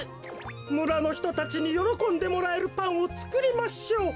むらのひとたちによろこんでもらえるパンをつくりましょう。